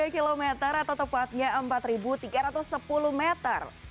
empat tiga kilometer atau tepatnya empat tiga ratus sepuluh meter